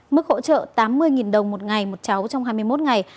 mức hỗ trợ tám mươi đồng một ngày một cháu trong hai mươi một ngày